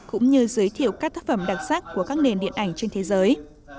cũng như giới thiệu các tác phẩm đặc sắc của các nền điện ảnh trên thế giới